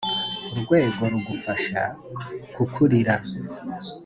urwego rugufasha kukurira.